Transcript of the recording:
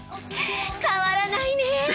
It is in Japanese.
変わらないねえ。